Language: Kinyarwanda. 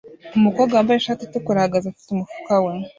Umukobwa wambaye ishati itukura ahagaze afite umufuka we